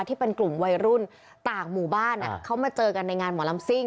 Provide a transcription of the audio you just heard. ที่เป็นกลุ่มวัยรุ่นต่างหมู่บ้านเขามาเจอกันในงานหมอลำซิ่ง